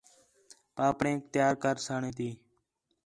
پاپڑینک تیار کرسݨ تی